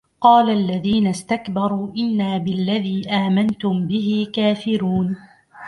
قال الذين استكبروا إنا بالذي آمنتم به كافرون